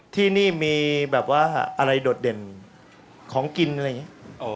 ที่นี่มีแบบว่าอะไรโดดเด่นของกินอะไรอย่างนี้